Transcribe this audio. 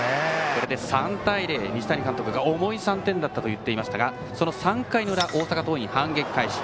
これで３対０西谷監督が重い３点だったと言っていましたがその３回の裏、大阪桐蔭が反撃開始。